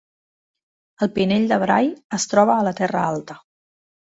El Pinell de Brai es troba a la Terra Alta